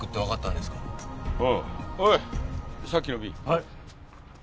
はい。